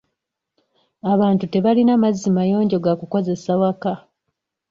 Abantu tebalina mazzi mayonjo ga kukozesa waka.